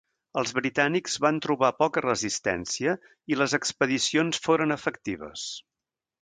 Els britànics van trobar poca resistència i les expedicions foren efectives.